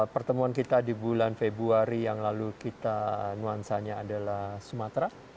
pertemuan kita di bulan februari yang lalu kita nuansanya adalah sumatera